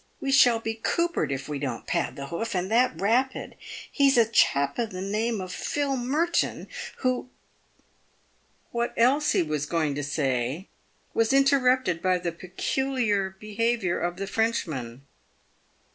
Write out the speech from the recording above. We shall be coopered if we don't pad the hoof, and that rapid. He's a chap of the name of Phil Merton, who " What else he was going to say was interrupted by the peculiar behaviour of the Frenchman.